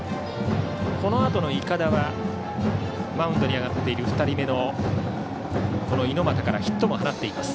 このあとの筏はマウンドに上がっている２人目の猪俣からヒットも放っています。